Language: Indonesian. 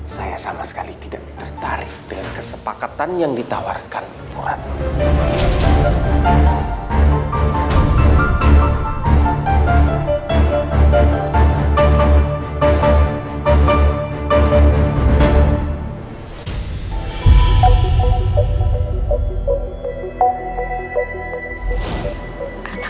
saya sama sekali tidak tertarik dengan kesepakatan yang ditawarkan bu radno